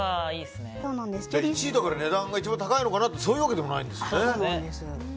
１位だから、値段が一番高いのかなと思ったらそういう訳でもないんですね。